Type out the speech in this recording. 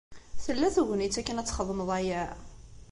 Tella tegnit akken ad txedmeḍ aya?